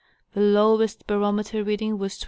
The lowest barometer reading was 27.